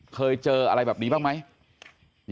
เคยเจออะไรแบบนี้บ้างไหม